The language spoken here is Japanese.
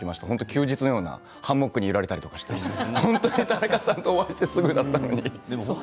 休日のようなハンモックに揺られたりして本当に田中さんとお会いしてすぐだったんですけど。